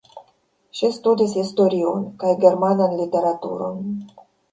Ŝi studis historion kaj Germanan literaturon.